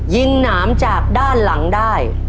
หนามจากด้านหลังได้